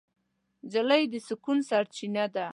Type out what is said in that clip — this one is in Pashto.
نجلۍ د سکون سرچینه ده.